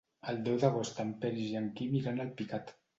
El deu d'agost en Peris i en Quim iran a Alpicat.